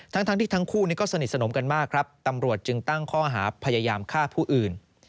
ทั้งที่ทั้งคู่นี้ก็สนิทสนมกันมากครับตำรวจจึงตั้งข้อหาพยายามฆ่าผู้อื่น